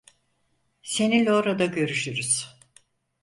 Seninle orada görüşürüz.